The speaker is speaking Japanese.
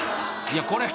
いやこれ。